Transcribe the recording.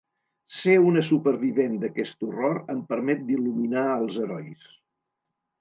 Ser una supervivent d’aquest horror em permet d’il·luminar els herois.